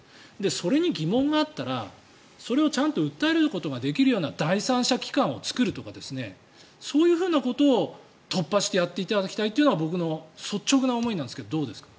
それに疑問があったらそれをちゃんと訴えることができるような第三者機関を作るとかそういうことを突破してやっていただきたいというのが僕の率直な思いなんですがどうですか？